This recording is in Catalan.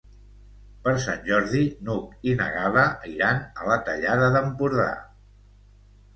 Per Sant Jordi n'Hug i na Gal·la iran a la Tallada d'Empordà.